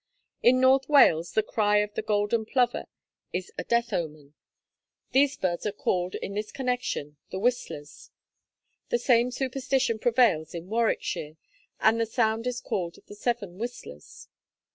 In North Wales the cry of the golden plover is a death omen; these birds are called, in this connection, the whistlers. The same superstition prevails in Warwickshire, and the sound is called the seven whistlers.